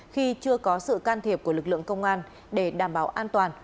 khi chưa có sự can thiệp của lực lượng công an để đảm bảo an toàn